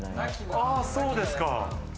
あそうですか。